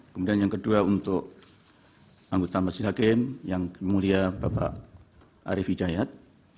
kemudian yang kedua untuk anggota majelis hakim yang mulia bapak arief hidayat